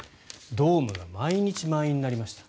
ドームが毎日満員になりました。